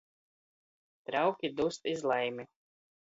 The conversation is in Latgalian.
Trauki duzt iz laimi!